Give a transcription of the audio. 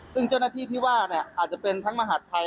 ซึ่งเจ้าหน้าที่ที่ว่าเนี่ยอาจจะเป็นทั้งมหาดไทย